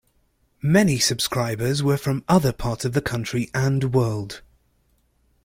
Many subscribers were from other parts of the country and world.